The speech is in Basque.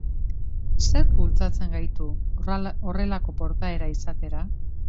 Zerk bultzatzen gaitu horrelako portaera izatera?